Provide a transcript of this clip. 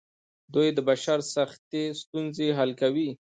دوی د بشر سختې ستونزې حل کوي.